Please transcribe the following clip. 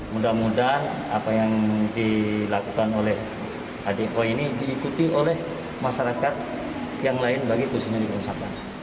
masyarakat yang lain bagi pusingan di kawasan